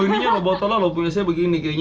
ini harus diganti